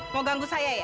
mau ganggu saya ya